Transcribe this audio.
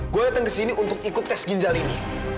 gua datang kesini untuk ikut tes ginjal ini